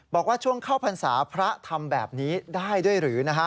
บอกว่าช่วงเข้าพรรษาพระทำแบบนี้ได้ด้วยหรือนะฮะ